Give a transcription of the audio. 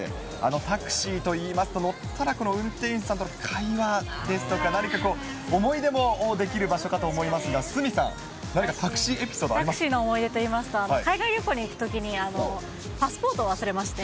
タクシーといいますと、乗ったらこの運転手さんとの会話ですとか、何かこう、思い出も出来る場所かと思いますが、鷲見さん、タクシーの思い出といいますと、海外旅行に行くときにパスポートを忘れまして。